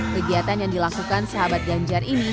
kegiatan yang dilakukan sahabat ganjar ini